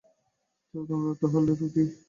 তো, তোমরা তাহলে রুকি?